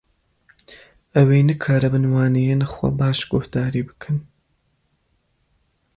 Em ê nikaribin waneyên xwe baş guhdarî bikin.